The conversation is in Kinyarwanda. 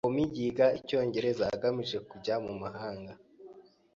Naomi yiga icyongereza agamije kujya mu mahanga.